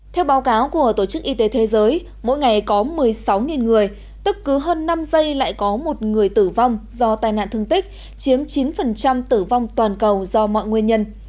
theo báo cáo của tổ chức y tế thế giới mỗi ngày có một mươi sáu người tức cứ hơn năm giây lại có một người tử vong do tai nạn thương tích chiếm chín tử vong toàn cầu do mọi nguyên nhân